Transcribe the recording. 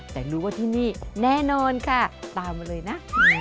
แต่รู้ว่าที่นี่แน่นอนค่ะตามมาเลยนะ